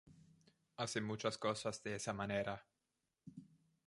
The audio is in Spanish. Hace muchas cosas de esa manera".